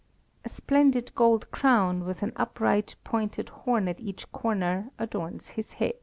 A splendid gold crown, with an upright pointed horn at each corner, adorns his head.